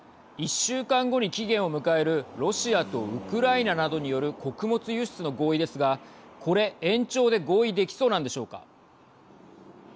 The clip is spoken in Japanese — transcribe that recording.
１週間後に期限を迎えるロシアとウクライナなどによる穀物輸出の合意ですがこれ、延長で合意できそうなんでしょうか。